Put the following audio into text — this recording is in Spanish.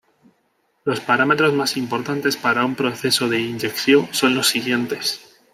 Los parámetros más importantes para un proceso de inyección son los siguientes.